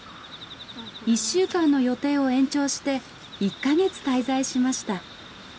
１週間の予定を延長して１カ月滞在しました。